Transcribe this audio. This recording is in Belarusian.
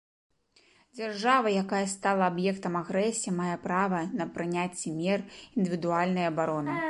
Дзяржава, якая стала аб'ектам агрэсіі, мае права на прыняцце мер індывідуальнай і абароны.